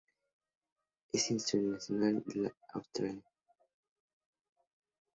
Es internacional con la Austria.